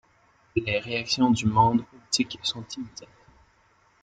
Les réactions du monde politique sont immédiates.